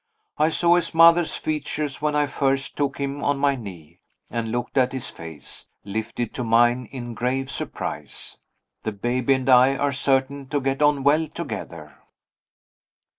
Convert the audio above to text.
I saw his mother's features when I first took him on my knee, and looked at his face, lifted to mine in grave surprise. The baby and I are certain to get on well together.